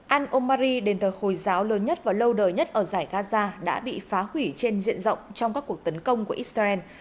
al omary đền thờ hồi giáo lớn nhất và lâu đời nhất ở giải gaza đã bị phá hủy trên diện rộng trong các cuộc tấn công của israel